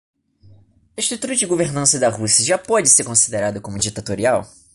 A estrutura de governança da Rússia já pode ser considerada como ditatorial?